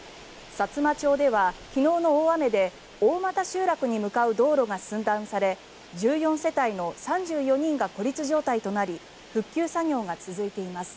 さつま町では昨日の大雨で大俣集落に向かう道路が寸断され１４世帯の３４人が孤立状態となり復旧作業が続いています。